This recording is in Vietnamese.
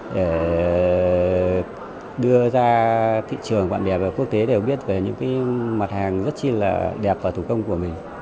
để đưa ra thị trường bạn bè và quốc tế đều biết về những mặt hàng rất là đẹp và thủ công của mình